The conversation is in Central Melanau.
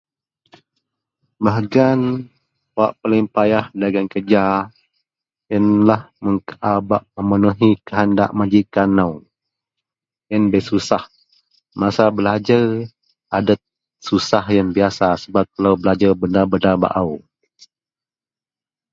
Bahagian wak paling payah gak kerja yianlah wak ba memenuhi kehendak majikan nou yian bei susah. Masa belajar adep susah yian biasa sebab telo belajar benda-benda ba'au.